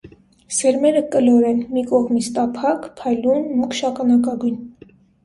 Սերմերը կլոր են, մի կողմից տափակ, փայլուն, մուգ շականակագույն։